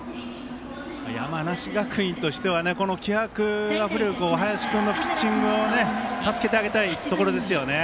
山梨学院としてはこの気迫あふれる林君のピッチングを助けてあげたいところですよね。